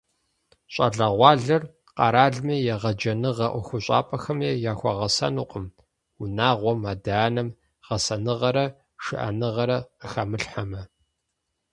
Щӏалэгъуалэр къэралми, егъэджэныгъэ ӏуэхущӏапӏэхэми яхуэгъэсэнукъым, унагъуэм, адэ-анэм гъэсэныгъэрэ шыӏэныгъэрэ къыхамылъхьэмэ.